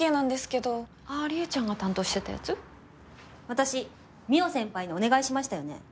私望緒先輩にお願いしましたよね？